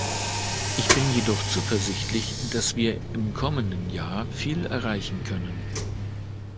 Ich bin jedoch zuversichtlich, dass wir im kommenden Jahr viel erreichen können.